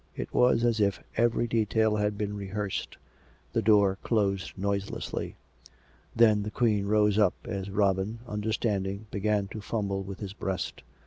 It was as if every detail had been rehearsed. The door closed noiselessly. Then the Queen rose up, as Robin, understanding, began to fumble with his breast.